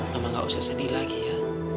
mama gak usah sedih lagi ya